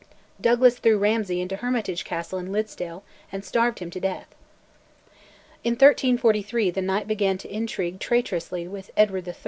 Douglas threw Ramsay into Hermitage Castle in Liddesdale and starved him to death. In 1343 the Knight began to intrigue traitorously with Edward III.